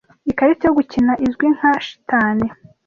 Ikarita yo gukina izwi nka Shitani